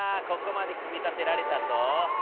ここまで組み立てられたぞ。